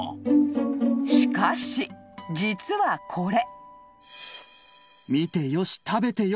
［しかし実はこれ］